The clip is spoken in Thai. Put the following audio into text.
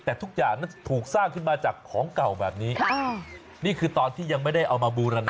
แต่ทุกอย่างนั้นถูกสร้างขึ้นมาจากของเก่าแบบนี้นี่คือตอนที่ยังไม่ได้เอามาบูรณา